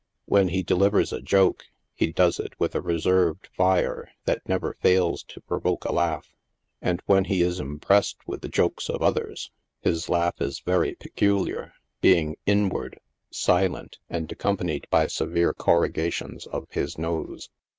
When ho delivers a joke, he does it with a reserved fire that never fails to provoke a laugh, and when he is impressed with the jokes of others, his laugh is very peculiar, being inward, silent, and accompanied by severe corruga tions of his nose.